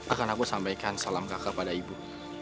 akan aku sampaikan salam kakak pada ibu